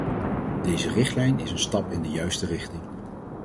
Deze richtlijn is een stap in de juiste richting.